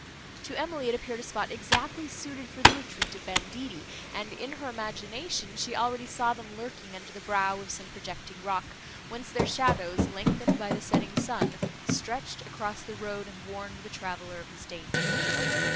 To Emily it appeared a spot exactly suited for the retreat of banditti, and, in her imagination, she already saw them lurking under the brow of some projecting rock, whence their shadows, lengthened by the setting sun, stretched across the road, and warned the traveller of his danger.